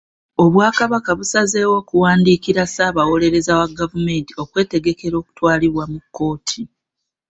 Obwakabaka busazeewo okuwandiikira Ssaabawolereza wa gavumenti okwetegekera okutwalibwa mu kkooti.